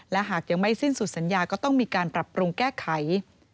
และหากยังไม่สิ้นสุดสัญญาก็ต้องมีการปรับปรุงแก้ไข